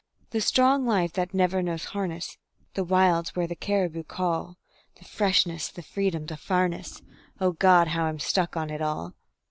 The strong life that never knows harness; The wilds where the caribou call; The freshness, the freedom, the farness O God! how I'm stuck on it all.